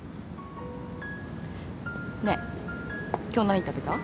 ねえ今日何食べた？